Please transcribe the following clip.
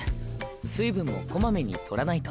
水分もこまめにとらないと。